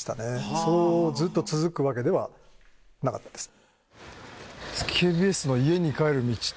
そうずっと続くわけではなかったです。